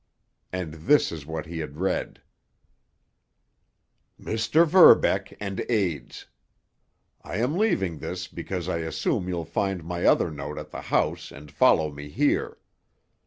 And this is what he had read: Mr. Verbeck and Aids: I am leaving this because I assume you'll find my other note at the house and follow me here.